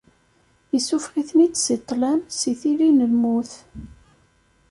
Issuffeɣ-iten-id si ṭṭlam, si tili n lmut.